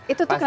itu tuh kenapa